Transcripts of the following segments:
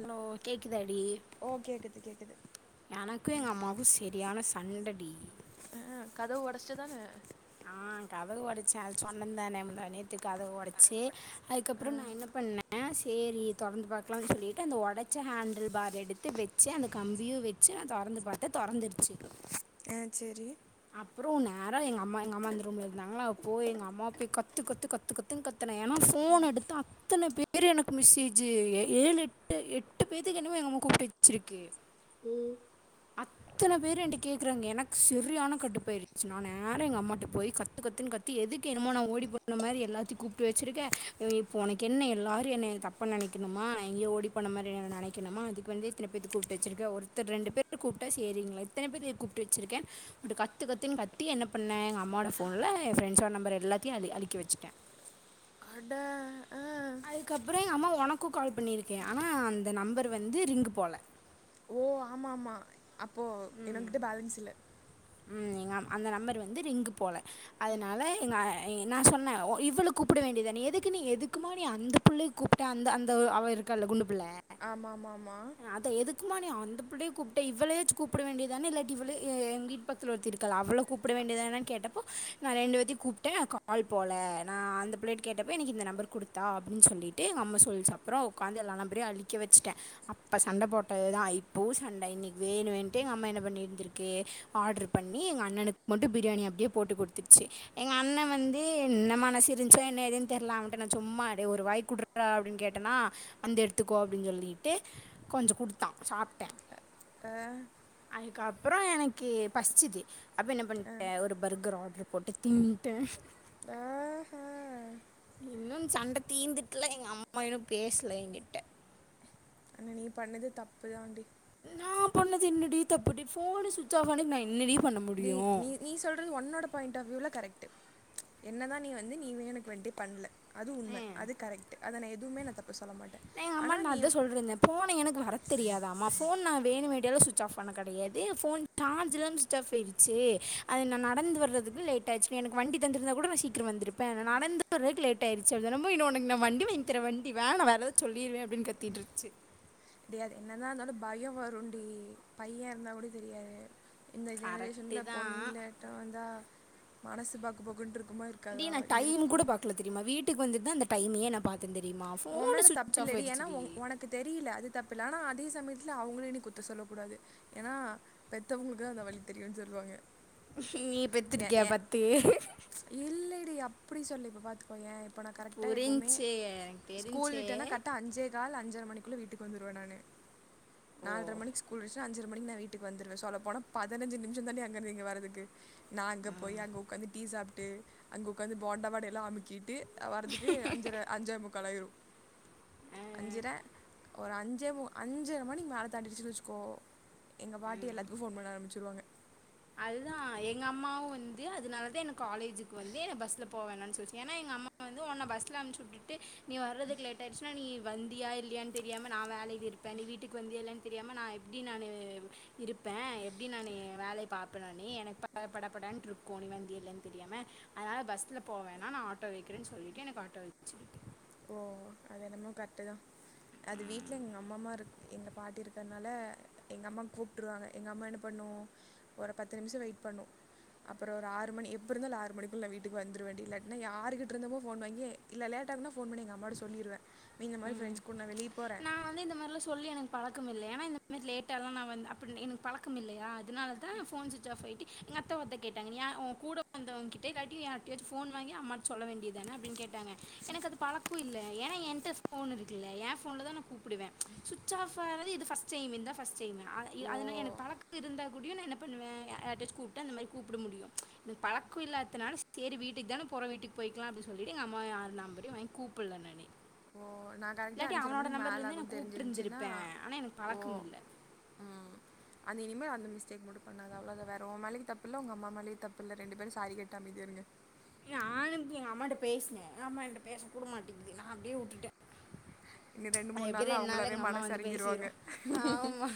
Hello கேக்குதா டி ஓ கேக்குது கேக்குது எனக்கு எங்க ம் அம்மாகும் சரியான சண்ட டி கதவு உடைச்சு தானே ஆ கதவு உடைச்சன் அது சொன்னன் தானே முந்தா நேத்து கதவு உடைச்சி ஆ அதுக்கப்றோ நா என்ன பண்ணேன் செரி தொறந்து பாக்கலானு சொல்லிட்டு அந்த உடைச்ச ஹேண்டில் பார் எடுத்து வச்சு அந்த கம்பியும் வச்சு நா தொறந்து பாத்தன் தொறந்துடுச்சு ஆ செரி அப்றோ நேரா எங்க அம்மா எங்க அம்மா அந்த ரூம்ல இருந்தாங்களா போய் எங்க அம்மாவ போய் கத்து கத்து கத்துனு கத்துனேன் ஏன்னா போன் எடுத்து அத்தன பேரு எனக்கு மெசேஜு ஏழு எட்டு பேத்துக்கு என்னமோ எங்க அம்மா கூப்பிட்டு வச்சிருக்கு அத்தன பேரு என்ட கேக்குறாங்க எனக்கு சரியான கடுப்பு ஆயிடுச்சு நா நேர எங்க அம்மாகிட்ட போய் கத்து கத்துனு கத்தி எதுக்கு என்னமோ நா ஓடி பண்ண மாரி எல்லாத்தையும் கூப்பிட்டு வச்சிருக்க இப்ப உனக்கு என்ன எல்லாரும் என்னய தப்பா நெனைக்கணுமா நா எங்கயோ ஓடி போன மாரி நெனைக்கணுமா அதுக்கு வந்து இத்தன பேத்து கூப்பிட்டு வச்சிருக்க ஒருத்தர் ரெண்டு பே ர் கூப்பிட்டா சரிங்களா இத்தன பேர் ஏ கூப்பிட்டு வச்சிருக்க கத்து கத்துனு கத்தி என்ன பண்ணே எங்க அம்மாவோட போன்ல என் ஃப்ரெண்ட்ஸோட நம்பர் எல்லாத்தையும் அழி அழிக்க வச்சிட்டன் அட ஆ அதுக்கப்றோ எங்க அம்மா உனக் கு கால் பண்ணியிருக்கு ஆனா அந்த நம்பர் வந்து ரிங்க் போல ஓ ஆமா ஆமா அப் போ எனக்கிட்ட பேலன்ஸ் இல்ல எங்க அம் அந்த நம்பர் வந்து ரிங்கு போல அதனால எங்க நா சொன்னேன் இவ்வுளு கூப்பிட வேண்டியதான நீ எதுக்கு நீ எதுக்குமா நீ அந்த புள்ளைய கூப்பிட்ட அந்த அந்த அவ இருக்கால குண்டு ல ஆமா ஆமா ஆமா அ எதுக்குமா நீ அந் ள்ளைய கூப்பிட்ட இவ்வளே கூப்பிட வேண்டிய தானே இல்லாட்டி இவள எங்கி பக்கத்துல ஒருத்தி இருக்காளா அவள கூப்பிட வேண்டியதுதானேனு கேட்டப்போ நா ரெண்டு பேத்தையும் கூப்பிட்டேன் நா கால் போள நா அந்த பிள்ளைகிட்ட கேட்டப்போ எனக்கு இந்த நம்பர் குடுத்தா அப்டின்னு சொல்லிட்டு எங்க அம்மா சொன்னப்போ உக்காந்து எல்லா நம்பரையும் அழிக்க வச்சிட்டேன் அப்ப சண்டை போட்டதுதான் இப்பவும் சண்டை இன்னைக்கு வேணும்னே எங்க அம்மா என்ன பண்ணிட்டு இருந்துருக்கு ஆர்டர் பண்ணி எங்க அண்ணனுக்கு மட்டும் பிரியாணி அப்டியே போட்டுக் குடுத்துருச்சு எங்க அண்ணன் வந்து என்ன மனசு இருந்துச்சோ என்ன இதுன்னு தெர்ல அவன்கிட்ட நான் சும்மா டேய் ஒரு வாய் குடுரா அப்டின்னு கேட்டேனா வந்து எடுத்துக்கோ அப்டின்னு சொல்லிட்டு கொஞ்சோ குடுத்தான் சாப்பிட்டேன் அ எனக்கு அப்றோ எனக்கு கே பசிச்சது அப்போ என்ன ஆ பண்ணிட்டேன் ஒரு பர்கர் ஆர்டர் போட் தின்னிட்டேன் ஆ ஹா இன்னும் சண்ட தீந்துட்டுல்ல எங்க அம்மா இன்னு பேசல எங்கிட்ட ஆனா நீ பண்ணுனது தப்புதான் தாண்டி நா பண்ணுனது என்னடி தப்புடி போன் சுவிட்ச் ஆப் பண்ணி நா என்னடி பண்ண நீ முடியும் நீ சொல்றது ஒன்னோட பாயிண்ட் ஆஃப் வியூல கரெக்ட் என்னதான் நீ வந்து நீ வேணுமண்டடே பண்ல அது உண்மை அது கரெக்ட் அத நா ஏ எதுவுமே நா தப் நா எங்க அம்மாட்ட அதான் சொல்லிட்டு இருந்தேன் போன எனக்கு வர தெரியாதாமா போன் நா வேணுமே னு ஸ்விட்ச் பண்ண ஆப் கிடையாது போன் சார்ஜ் இல்லாம ஸ்விட்ச் ஆப் ஆயிடுச்சு அது நா நடந்து வரத்திற்கு லேட் ஆகிடுச்சு எனக்கு வண்டி தந்து இருந்தா கூட நா சீக்கிரம் வந்து இருப்பேன் நடந்து வரத்திற்கு லேட் ஆகிடுச்சு உடனே உனக்கு நா வண்டி வாங்கி தரவா வண்டி வேணா வேற எதா து சொல்லிருவேன் அப்டின்னு கத்திட்டு இருந்துச்சு டி அது என்ன தா இருந்தாலு பயம் வருண்டி பையன இருந்தா கூட தெரியாது இந்த கரெக்டு ஜெனரேஷன்ல தான் பொண்ணு லேட்டா வந்தா மனசு பக்கு பக்குன்ருக் டீ நா டைம் கூட பாக்கல தெரியுமா? வீட்டுக் கு வந்துதா அந்த டைமேயே நா பாத் உன் மேல தப்பில்லடி ஏன்னா உ உனக்கு தெரியல அது தப்பில்ல ஆனா அதே சமயத் துல அவுங்களயு நீ குத்தோ சொல்லக் கூடாது. ஏன்னா பெத்தவங்களுக்குதா அந்த வலி தெரியுன்னு சொல்லுவாங்க. நீ ஏ பெத்துருக்கியா ஏ பத்து? அப்டி சொல்லல இப்ப பாத்துக்கோயே புரிஞ்ச்சு எனக்கு தெ ஸ்கூல் விட்டவுன்னே கரெக்டா அஞ்சே கால் அஞ்சர மணிக்குள்ள வீட்டுக்கு வந்துருவே நானு. ஓ நால்ர மணிக்கு ஸ்கூல் விட்டுச்சுனா அஞ்சர மணிக்கி நா வீட்டுக்கு வந்துருவே சொல்ல போனா பதினஞ்சு நிமிஷந்தாண்டீ அங்க இருந்து இங்க வரதுக்கு நா அங்க போயி அங்க உக்காந்து டீ சாப் ட்டு அங்க உக்காந்து போண்டா வடை எல்லா அமுக்கிட்டு ஆ வர்றதுக்கு அஞ்சர அஞ்சே முக்கால் ஆயிரு. ஆ அஞ்சர ஒரு அஞ்சே மு அஞ்சர மணிக்கி மேல தாண்டிடுச்சுன்னு வச்சுக்கோ எங்க பாட்டி எல்லாத்துக்கு ஃபோன் பண்ண ஆரம்பிச்சுருவாங்க. அதுதா எங்க அம்மாவு வந்து அதனாலதா என்ன காலேஜுக்கு வந்து என்ன பஸ்ல போக வேணான்னு சொல்லுச்சு. ஏன்னா எங்க அம்மா வந்து உன்ன பஸ்ல அனுப்பிச்சு விட்டுட்டு நீ வர்றதுக்கு லேட் ஆயிடுச்சுன்னா நீ வந்தியா இல்லையான்னு தெரியாம நா வேலைல இருப்பே நீ வீட்டுக்கு வந்தியா இல்லையான்னு தெரியாம நா எப்டி நானு இருப்பே எப்டி நானு வேலைய பாப்ப நானு எனக்கு ப படபடான்ட்டு இருக்கு நீ வந்தியா இல்லையான்னு தெரியாம. அதனால பஸ்ல போவேணா நா ஆட்டோ வைக்கிறேன்னு சொல்லிட்டு எனக்கு ஆட்டோ வச்சுருக்கு ஓ அது என்னமோ கரெக்ட்டுதா. அது வீட்ல எங்க அம்மா மார இருக் எங்க பாட்டி இருக்கறனால எங்க அம்மாக்கு கூப்ட்டுடுவாங்க. எங்க அம்மா என்ன பண்ணு ஒரு பத்து நிமிஷோ வெயிட் பண்ணு. அப்புறோ ஒரு ஆறு மணி எப்டி இருந்தாலு ஆறு மணிக்குள்ள நா வீட்டுக்கு வந்துருவேண்டி இல்லாட்டினா யாருகிட்ட இருந்தமோ ஃபோன் வாங்கி இல்ல லேட் ஆகுனா ஃபோன் பண்ணி எங்க அம்மாட்ட சொல்லிருவே. மி இந்த மாரி ஃபிரெண்ட்ஸ் கூட நா வெளிய போறே க்கம் இல்ல ஏன்னா இந்த மாரி லேட்டாலா நா வந்து அப்டி எனக்கு பழக்கம் இல்லையா அதனாலதா ஃபோன் சுவிச் ஆஃப் ஆயிட்டு எங்க அத்தாவு அதா கேட்டாங்க நீ யேன் உன் கூட வந்தவங்க கிட்ட இல்லாட்டி யார்கிட்டயாச்சு ஃபோன் வாங்கி அம்மாட்ட சொல்ல வேண்டியதான அப்டின்னு கேட்டாங்க. எனக்கு அது பழக்கோ இல்ல ஏன்னா என்ட்ட ஃபோன் இருக்குல்ல ஏன் ஃபோன்லதா நா கூப்புடுவே. சுவிட்ச் ஆஃப் ஆறது இது ஃபஸ்ட் டைம் இதா ஃபஸ்ட் டைமு அத இது ஓ அதனால எனக்கு பழக்க இருந்தா கூடியு நா என்ன பண்ணுவ யா யார்ட்டாச்சு கூப்ட்டு அந்த மாரி கூப்பட முடியு. எனக்கு பழக்கோ இல்லாதனால சேரி வீட்டுக்குதான போறோ வீட்டுக்கு போய்க்கிலா அப்டின்னு சொல்லிட்டு எங்க அம்மா யாரு நம்பரையு வாங்கி கூப்புடல நானு ஓ நா கரெக்ட்டா அஞ்சர மணிக்கி மேல ஆகுன்னு தெரிஞ்சிருந்துச்சின்னா கூப்பிட்டுருந்துருப்பேன் ஆனால் எனக்கு ஓ பழக்கம் இல்லை ம் அந்த இனிமே அந்த மிஸ்டேக் மட்டு பண்ணாத அவ்ளதா. வேற உன் மேலயு தப்பில்ல உங்க அம்மா மேலயு தப்பில்ல. ரெண்டு பேரு சாரி கேட்டு அமைதியா இருங்க. யா நானு எங்க அம்மாகிட்ட பேசுனே அம்மா என்ட்ட பேச கூட மாட்டேங்குது. நா அப்டியே உட்டுட்டே. இனி ரெண்டு மூணு எப்டி நாளில் ரெண்டு நாள்ல அவங்களாவே எங்க அம்மா மனசு வந்து பேசிரு. இறங்கிருவாங்க ஆமா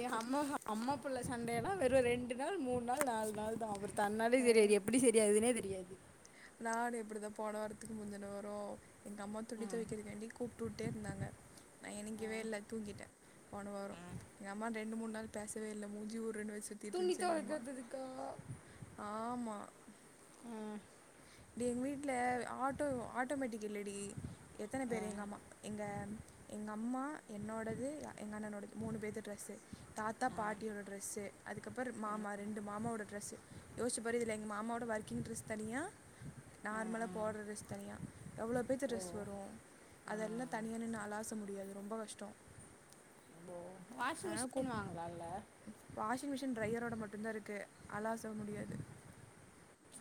யே அம்மா அம்மா புள்ள சண்டை எல்லா வெறு ரெண்டு நாள் மூணு நாள் நாலு நாள்தா அப்றோ தன்னாலயே செரியாயிரு. எப்பிடி செரியாகுதுனே தெ ரியாது. நானு இப்பிடிதா போன வாரத்துக்கு முந்தின வாரோ எங்க அம்மா வந்து துணி தொவைக்கிறக்காண்டி கூப்ட்டுட்டே இருந்தாங்க. நா ஆ, எநிக்கவே இல்ல தூங்கிட்டே போன வாரோ. ஆ. எங்க அம்மா ரெண்டு மூணு நாள் பேசவே இல்ல மூஞ்சிய உர்ருனு வெச் சுத்திட்டு துணி இருந்துச்சு எங்கம்மா துவைக்கிறதுக்கா ஆமா. ஆ டி எங்க வீட்ல ஆட்டோ ஆட்டோமேட்டிக் இல்லடி எத்தன ஆ, பேர் எங்க அம்மா எங்க எங்க அம்மா என்னோடது அ எங்க அண்ணனோடது மூணு பேதது டிரெஸ்ஸு. தாத்தா ஆ, பாட்டியோட ட்ரெஸ்ஸு அதுக்கப்புறோ மாமா ரெண்டு மாமாவோட ட்ரெஸ்ஸு. யோசிச்சு பாரு இதுல எங்க மாமாவோட ஒர்க்கிங் ட்ரெஸ் தனியா ஆ, நார்மலா ஆ. போடுற டிரஸ் தனியா எவ்ளோ பேத்து ஓ ட்ரெஸ் வரு? ஆ, அதெல்லா தனியா நின்னு அலாச முடியாது. ரொம்ப கஷ்டோ. ஓ வாஷிங் அதனால மிஷின் கூப் வாங்கலாம்ல ம் வாஷிங் மிஷின் ட்ரையரோட மட்டும்தா இருக்கு. அலாச முடியாது.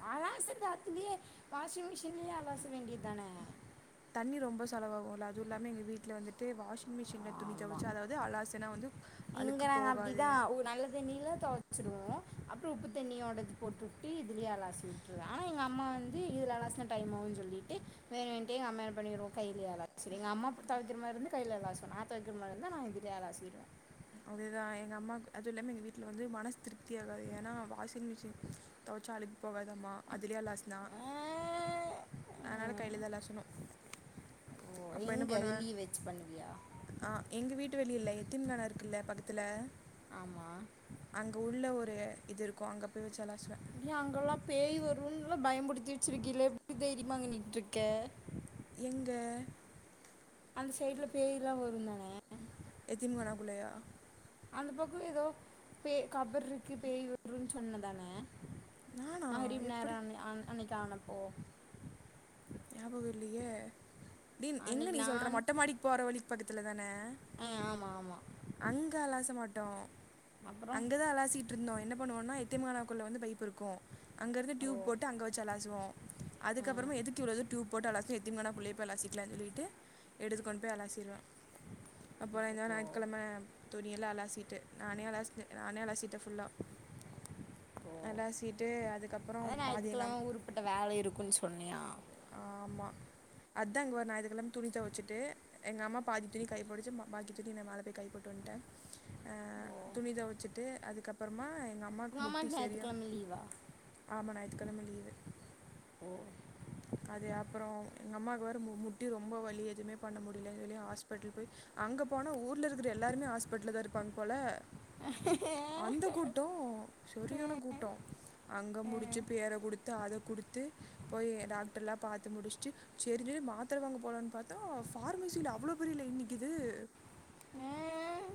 அலாசறது அதுலயே வாஷிங் மிஷின்லயே அலாச வேண்டியதுதான? தண்ணி ரொம்ப செலவாகு இல்ல? அது இல்லாம எங்க வீட்ல வந்துட்டு வாஷிங் மிஷின்ல துணி ஆமா தொவைச்சா அதாவது அலாசுனா வந்து இங்க அழுக்கு நாங்க போகாது அப்டிதா ஒரு நல்ல தண்ணில தொவச்சிரு வோ அப்றோ உப்பு தண்ணியோடது போட்டு விட்டு இதுலயே அலாசி விட்ருவே. ஆனா எங்க அம்மா வந்து இதுல அலாசுனா டைம் ஆகுன்னு சொல்லிட்டு வேணுண்ட்டே எங்க அம்மா என் பண்ணிரு கையிலயே அலாசிரு. எங்க அம்மா தொவைக்கற மாரி இருந்தா கைல அலாசு நா தொவைக்கற மாரி இருந்தா நா இதுலயே அலாசிருவே. அதேதா எங்க அம்மாக்கு அது இல்லாம எங்க வீட்ல வந்து மனசு திருப்தி ஆகாது. ஏன்னா வாஷிங் மிஷின் தொவச்சா அழுக்கு போகாதாம்மா அதுலயே அலாசுனா. அதனால கையிலதா அலாசனு. ஓ எங்க வெளிய வச்சு பண்ணுவியா? ஆ எங்க வீட்டு வெளிய இல்ல எத்திம்கானா இருக்குல்ல பக்கத்துல? ஆமா அங்க உள்ள ஒரு இது இருக்கு அங்க போய் வச்சு அலாசுவே. ன்லா பயம்புடுத்தி வச்சிருக்கயில எப்டி தைரியமா அங்க நின்ட்ருக்கே? எங்க? அந்த சைடுல பேய் எல்லா வருந்தான? எத்திம்கானாக்குள்ளயா? அந்தப் பக்கோ எதோ பே கபர் இருக்கு பேய் வருன்னு சொன்னதான? நானா மஹரிம் நேரோ எப்படி அன்ன அன் அன்னைக்கி ஆன ஓ ஞாபகோ இல்லயே டீ எங்க அன்னைக்கு நீ சொல்ற? நான் மொட்டமாடிக் போற வழிக் பக்கத்துல ஆ ஆமா ஆமா. அங்க அலாச மாட்டோ. அப்புறம் அங்கதா அலாசிட்டு இருந்தோ என்ன பண்ணுவோன்னா எத் திம்கானாக்குள்ள வந்து பைப்பு இருக்கு அங்க இருந்து ஓ டியூப் போட்டு அங்க வச்சு அலாசுவோ. ஆ அதுக்கப்புறமா எதுக்கு இ்வ்ளோ தூரோ டியூப் போட்டு அலாசனுன்னு எத்திம்கானாக்குள்ளயே போய் அலாசிக்கலான்னு சொல்லிட்டு எடுத்து கொண்டு போய் அலாசிருவே. அப்பற இந்த வார ஓ ஞாயத் துணிய எல்லாம் அலாசிட்டு நானே அலாசன் நானே அலசிட்டேன் ஃபுல்லா ஓ அதான் பாதி ஞாயித்துகெலமா எங்கள் உருப்பட்ட வேல இருக்குன்னு சொன்னியா ஆமா அதான்ங்க வ நாய [unintelligible] துணி துவச்சிட்டு எங்கள் அம்மா பாதி துணி காயப்போடிச்சு பாக்கி துணி என்ன மேலே போய் காயபோட்டு வந்ட்டேன் துணி தொவச்சிட்டு அதுக்கப்புறமா எங்க அம்மாக்கு உங்கள் முட்டி அம்மாவுக்கு சரியா ஞாயிற்றுக்கிழமை லீவா ஆமா ஞாயிற்றுக்கிழமை லீவு அது அப்பறோ எங்கம்மாக்கு வேற மு முட்டி ரொம்ப வலி எதுமே பண்ண முடியலேனு சொல்லி ஹாஸ்பிட்டல் போய் அங்க போனா ஊர்ல இருக்கிற எல்லாருமே ஹாஸ்பிட்டல்ல் தா இருப்பாங்க போல அந்த கூட்டம் சரியான கூட்டம் அங்க முடிச்சு பேர குடுத்து அத குடுத்து போய் எதா ல்லாம் பாத்து முடிச்சட்டு சரி சேரி மாத்திரவாங்க போகலாம்ன்னு பாத்தா பஃபார்மசியில அவ்ளோ பெரிய லயன் நிக்கிது அஹ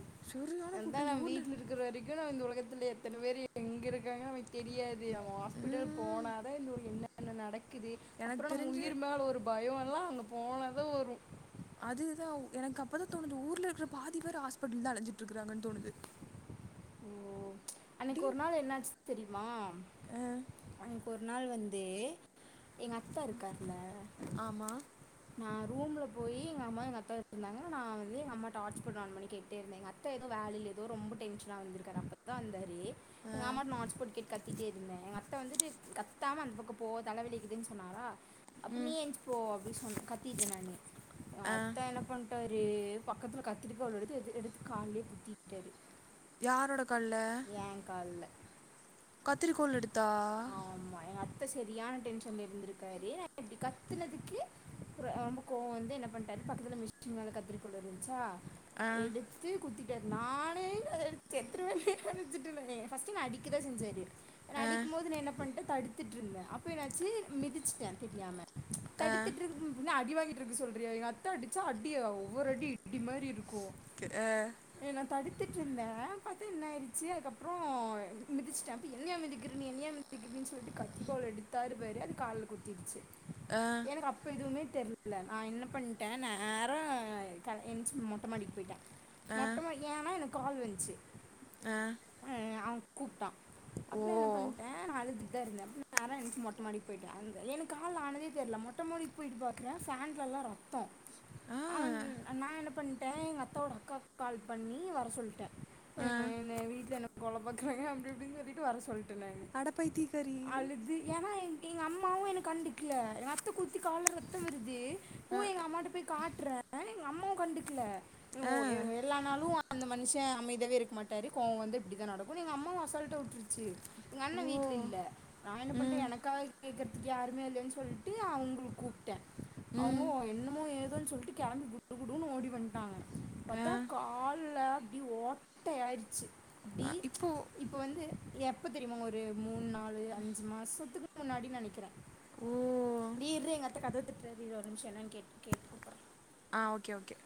அந்தா கூட்டம் இந்த நம் ஊரில் வீடல இருக்கிற வரைக்கு நா இந்த உலகத்திலேயே இத்தன பேர் எங்க இருக்காங்கன்ன ந தெரியாது அவன் ஹாஸ்பிட்டல் போனாதான நட இது எனக்கு அப்புறம் நம்ம தெரிஞ்சு உயிர் மேல ஒரு பயம் ல்லாம் அந்த போனத வரும் அதுதான் எனக்கு அப்பதான் தோணுது ஊர்ல இருக்கிற பாதி வேற ஹாஸ்பிட்டல் தான் அழஞ்சிட்டு இருக்கறாங்கன்னு தோணுது ஓ அன்னைக்கு ஒரு டீன் நாள் என்னாச்சு தெரியுமா [unintelligible] அப்ப [unintelligible] அதனால் வந்து எங்க அத்தா இருக்கார்ல ஆமாம் நா ரூம்ல போய் எங்க அம்மா எங்க அத்தா இருந்தாங்க நான் வந்து எ அம்மா ஹேய்ஸ்பாட்டு நு மணி கேட்டேந்தேன் எ அத்தா ஏதோ வேலையில ஏதோ ரொம்ப டென்ஷன் [unintelligible] வந்திருக்காரு அப்பதான் வந்தாரு எங்க நோட்ப கேட [unintelligible] கத்திட்டே இருந்தேன் எங்கள் அத்தைல வந்துட்டு கத்தாம அந்த பக்கம் போக தல வலிக்குதுன்னு சொன்னாங்களா அப்ப நீ ம் எஞ்சு போ அப்படின்னு சொன்ன கத்திட்ட நே ஆ அத்தா என்ன பண்ணிட்ட அப்டீயே பக்கத்துல கத்திரி கோள் எடுத்து எடுத்து கால்லே குத்திருக்காரு யாரோட ஏன் கால்ல கத்திரிக்கோள் எடுத்தா ஆமா எங்க அத்த சரியான டென்ஷன்ல இருந்துருக்காரு நா இப்டி கத்துனதுக்கு ரொம்ப கோவ வந்து என்ன பண்ட்டாரு பக்கத்துல மிஷின் மேல கத்திரிக்கோல் இருந்துச்சா ஆ எடுத்து குதித் நானூ அ செத்துரேவேன் கெனச்சிட்டு நாங்கே ஃபஸ்ட் நா அடிக்கதா செஞ்சாரு என்ன ஆ அடிக்கும்போது நா என்ன பண்ட்டே தடுத்துட்டுருந்தே அப்போ என்னாச்சி மிதிச்சிட்டேன் தெரியாம ஆ தடுத்துட்டு இரு அடிவாங்கி இருக்கு சொல்றியா எங்க அத்த அடிச்சா அடி ஒவ்வொரு அடி இடி மாதி இருக்கும் கே அ படுத்துட்டு இருந்தேன் பாத்தா என்னயிச்சு சரி அதுக்கப்புற மிதிச்சிட்டே இப்போ என்னய மிதிக்கிறன்னு நீ என்னயா மிதிக்கிறன்னு சொல்லிட்டு கத்திரிகோல் எடுத்தாரு பாரு அது காலில் குத்திடுச்சு அ, எனக்கு அப்ப எதுவுமே தெரியில நா என்ன பண்ணிட்டே நேரா க என்ச்சி மொட்ட மாடிக்கு போய்ட்டே அ, மொட்டமொ ஏனா எனக் கால்வன்ச்சு ஆ கூப்டா அப்றோ என்ன பண்ட்டே நாலுது இங்தா இருந்தே நேரா என்ச்சி மொட்டமாடிக்கு போயிட்டே அந்த எனக்கு கால்ல ஆனதே தெரில மொட்ட மாடிக்கு போயிட்டு பாக்கேறே ஃபேன்ட்ல லா ரத்தோ ஆ அவன்து நா என்ன பண் டெ எங்க அப்பாவோட அக்காக் கால் பண்ணி வர சொல்ட்டே ஆ கொழப்பக்கறங்க அப்டிப்பிடின் சொல்ட் அடப்பைத்தி காரி எங்க அம்மாவு என்ன கண்டுக்கல ரத்த குத்தி கால்ல ரத்த வருது பூ அ, எங்க அம்மாட்ட போய் காட்டுறே அம்மாவு கண்டுக்ல ஆ அந்த மனுஷே அமைதியாவே இருக்க மாட்டாரு கோப வந்து இப்டிதா நடக்கு எங்க அம்மாவு அசால்ட்ட உட்டுருச்சு எங்க அண்ணே ஓ வீட்ல இல்ல நா என்ன பண்டே ம் எனக்காக கேக்கற யாருமே இல்லனு சொல்ட்டு அவங்கள கூப் டே ம் அவங்களு என்னமோ ஏ அது சொல்லிட்டு கேம்பி குடுகுடுன்னு ஓடி வந்ட்டா அவே ஆ பத்தா கால்ல ப்டி ஓட்டையாயிடுச்சு ப்டி ஆ, இப்போ இப்ப வந்து எப்ப தெரியுமா ஒரு மூணு நாலு அஞ்சு மாசத்துக்கு முன்னாடினு நினைக்கிறே ஓ ஏ இர்ரி எங்கத்த கதை தட்டுது ஒரு நிமிஷ என்னன் கே கேட்டு கூப்பறே ஆ ஓகே ஓகே